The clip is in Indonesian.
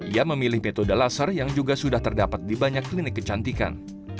ia memilih metode laser yang juga sudah terdapat di banyak klinik kecantikan